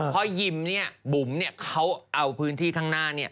เพราะยิมบุ๋มเขาเอาพื้นที่ข้างหน้า